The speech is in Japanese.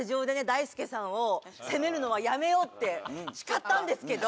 大輔さんを責めるのはやめようって誓ったんですけど。